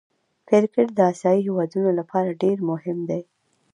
کرکټ د آسيايي هېوادو له پاره ډېر مهم دئ.